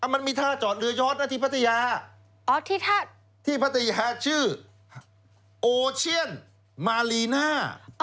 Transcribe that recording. มันมีท่าจอดเรือย้อนนะที่พัทยาที่พัทยาชื่อโอเชียนมาลีน่า